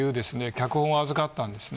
脚本を預かったんですね。